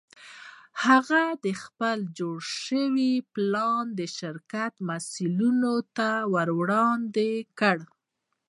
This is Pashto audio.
هغه خپل جوړ شوی پلان د شرکت مسوولینو ته وړاندې کړ